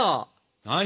何？